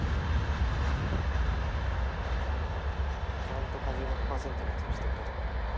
ちゃんと果汁１００パーセントのやつにしてくれたか？